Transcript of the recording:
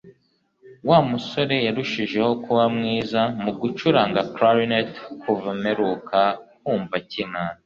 Wa musore yarushijeho kuba mwiza mu gucuranga Clarinet kuva mperuka kumva akina